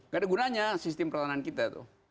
gak ada gunanya sistem pertahanan kita tuh